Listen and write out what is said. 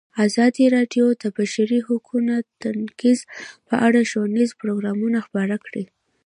ازادي راډیو د د بشري حقونو نقض په اړه ښوونیز پروګرامونه خپاره کړي.